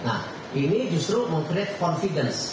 nah ini justru membuat kepercayaan